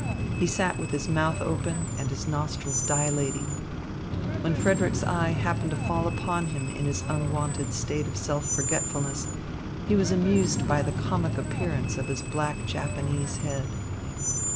He sat with his mouth open and his nostrils dilating. When Frederick's eye happened to fall upon him in his unwonted state of self forgetfulness, he was amused by the comic appearance of his black Japanese head.